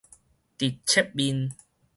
直切面